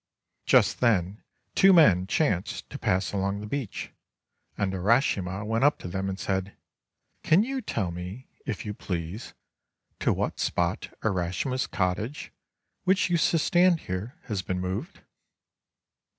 Just then two men chanced to pass along the beach, and Urashima went up to them and said, "Can you tell me, if you please, to what spot Urashima's cottage, which used to stand here, has been moved?"